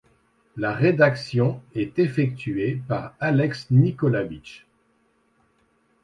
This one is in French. La rédaction est effectuée par Alex Nikolavitch.